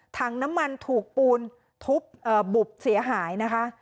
ถังน้ำมันถูกปูนทุบบุบเสียหายนะคะ